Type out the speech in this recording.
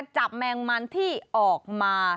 แมงมันที่ออกมา